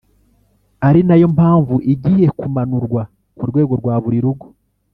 ari nayo mpamvu igiye kumanurwa ku rwego rwa buri rugo